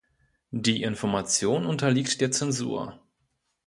Die Information unterliegt der Zensur.